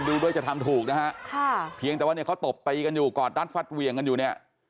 ดูด้วยจะทำถูกนะฮะค่ะเพียงแต่ว่าเนี่ยเขาตบตีกันอยู่กอดรัดฟัดเหวี่ยงกันอยู่เนี่ย